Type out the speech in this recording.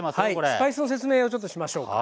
スパイスの説明をちょっとしましょうか。